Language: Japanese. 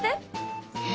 え？